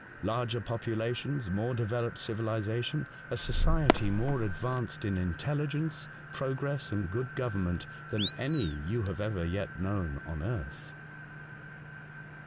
153 — larger populations, more developed civilisa tion, a society more advanced in intelligence, progress, and good government than any you have ever yet known on earth.